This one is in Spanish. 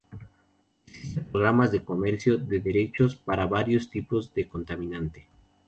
Existen programas de comercio de derechos para varios tipos de contaminante.